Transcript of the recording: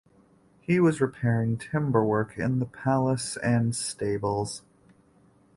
He was repairing timberwork in the palace and stables.